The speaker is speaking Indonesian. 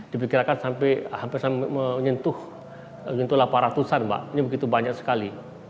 diperkirakan sampai hampir menyentuh delapan ratus an mbak ini begitu banyak sekali